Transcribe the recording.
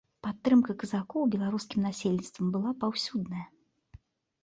Падтрымка казакоў беларускім насельніцтвам была паўсюдная.